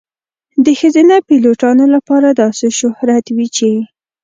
د ښځینه پیلوټانو لپاره داسې شهرت وي چې .